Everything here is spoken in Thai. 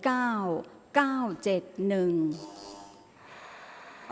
ออกรางวัลที่๖